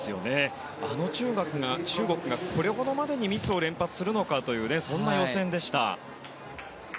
あの中国がこれほどまでにミスを連発するのかというそんな予選でした。